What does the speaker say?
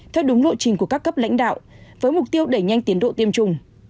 theo đúng lộ trình của các cấp lãnh đạo với mục tiêu đẩy nhanh tiến độ tiêm chủng